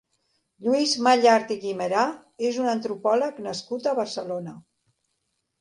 Lluís Mallart i Guimerà és un antropòleg nascut a Barcelona.